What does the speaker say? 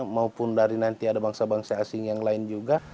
maupun dari nanti ada bangsa bangsa asing yang lain juga